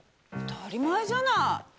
当たり前じゃない！